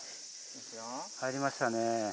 入りましたね。